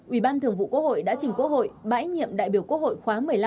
ủy ban thường vụ quốc hội đã trình quốc hội bãi nhiệm đại biểu quốc hội khóa một mươi năm